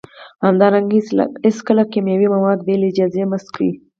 همدارنګه هیڅکله کیمیاوي مواد بې له اجازې مه څکئ